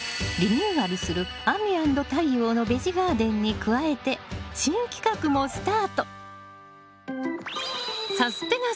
リニューアルする「亜美＆太陽のベジガーデン」に加えて新企画もスタート！